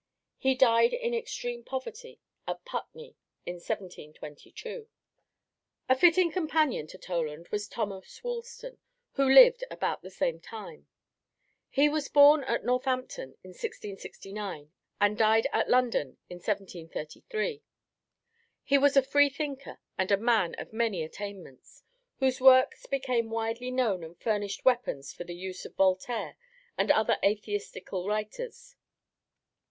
He died in extreme poverty at Putney in 1722. A fitting companion to Toland was Thomas Woolston, who lived about the same time; he was born at Northampton in 1669, and died at London in 1733. He was a free thinker, and a man of many attainments, whose works became widely known and furnished weapons for the use of Voltaire and other atheistical writers.